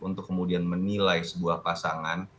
untuk kemudian menilai sebuah pasangan